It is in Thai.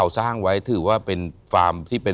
สร้างไว้ถือว่าเป็นฟาร์มที่เป็น